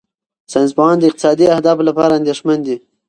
ساینسپوهان د اقتصادي اهدافو لپاره اندېښمن دي.